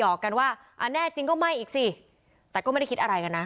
อกกันว่าอ่าแน่จริงก็ไม่อีกสิแต่ก็ไม่ได้คิดอะไรกันนะ